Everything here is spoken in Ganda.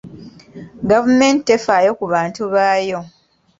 Gavumenti tefaayo ku bantu baayo.